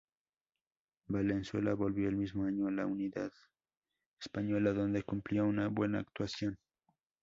Valenzuela volvió el mismo año a la Unión Española, donde cumplió una buena actuación.